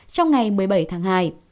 trong ngày một mươi bảy tháng hai